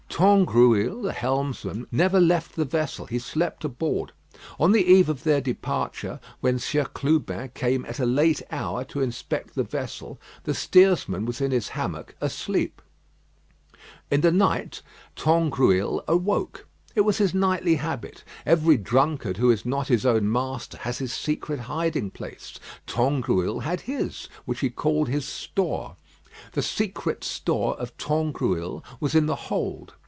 Tangrouille the helmsman never left the vessel; he slept aboard. On the eve of their departure, when Sieur Clubin came at a late hour to inspect the vessel, the steersman was in his hammock asleep. In the night Tangrouille awoke. It was his nightly habit. Every drunkard who is not his own master has his secret hiding place. Tangrouille had his, which he called his store. The secret store of Tangrouille was in the hold.